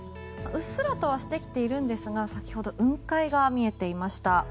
うっすらとはしてきているんですが先ほど雲海が見えていました。